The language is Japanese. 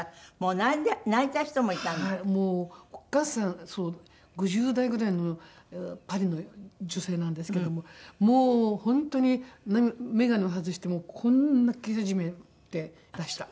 もうお母さん５０代ぐらいのパリの女性なんですけどももう本当に眼鏡を外してこう泣き始めてました。